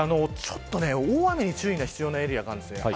大雨に注意が必要なエリアがあります。